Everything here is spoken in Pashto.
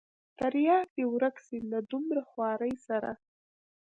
ترياک دې ورک سي له دومره خوارۍ سره.